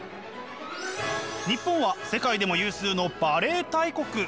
日本は世界でも有数のバレエ大国。